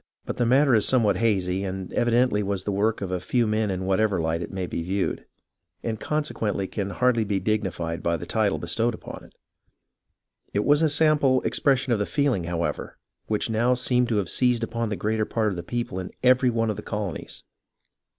But the matter is some what hazy, and evidently was the work of a few men in whatever light it may be viewed, and consequently can hardly be dignified by the title bestowed upon it. It was a sample expression of the feeling, however, which now seemed to have seized upon the greater part of the people in every one of the colonies.